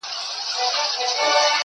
زما له ملا څخه په دې بد راځي,